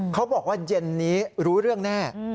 เขาบอกว่าเย็นนี้รู้เรื่องแน่